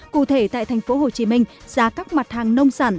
cụ thể tại thành phố hồ chí minh giá các mặt hàng nông sản